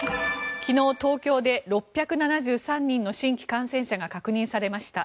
昨日、東京で６７３人の新規感染者が確認されました。